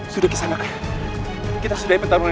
sudah kesana kita sudah menang ini kalian sudah mengaku kalah